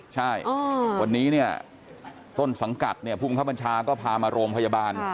ใช่วันนี้ต้นสังกัดผู้มีความปัญชาก็พามาโรงพยาบาล